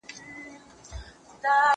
زه مخکي سينه سپين کړی و!.